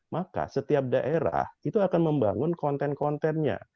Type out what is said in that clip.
maka setiap daerah itu akan membangun konten kontennya